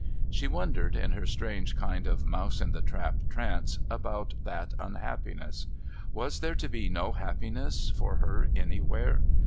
She wondered, in her strange kind of mouse in the trap trance, about that unhappiness. Was there to be no happiness, for her anywhere?